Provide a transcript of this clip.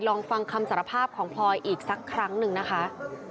ลองฟังคำสารภาพของพลอยอีกสักครั้งหนึ่งนะคะ